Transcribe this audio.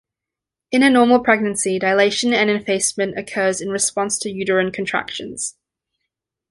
In a normal pregnancy, dilation and effacement occurs in response to uterine contractions.